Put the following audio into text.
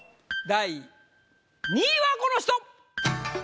第２位はこの人！